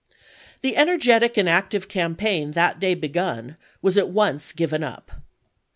The energetic and active campaign that day begun was at once given up.